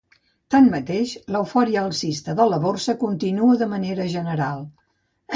Tanmateix l'eufòria alcista de la borsa continua de manera general.